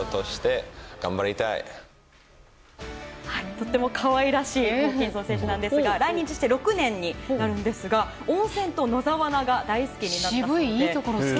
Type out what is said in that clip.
とってもかわいらしいホーキンソン選手なんですが来日して６年になるんですが温泉と野沢菜が大好きなんですって。